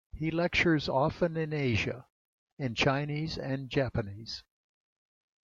He lectures often in Asia, in Chinese and Japanese.